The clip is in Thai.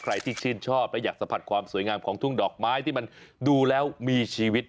ใครที่ชื่นชอบและอยากสัมผัสความสวยงามของทุ่งดอกไม้ที่มันดูแล้วมีชีวิต